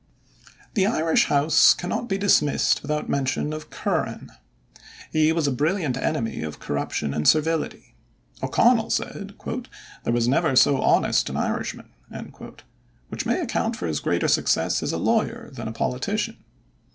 The Irish House cannot be dismissed without mention of Curran. He was a brilliant enemy of corruption and servility. O'Connell said "there was never so honest an Irishman," which may account for his greater success as a lawyer than a politician.